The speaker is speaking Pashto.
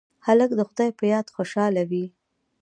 هلک د خدای په یاد خوشحاله وي.